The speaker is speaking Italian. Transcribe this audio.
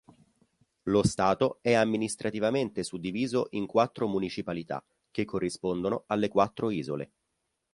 Lo Stato è amministrativamente suddiviso in quattro municipalità, che corrispondono alle quattro isole.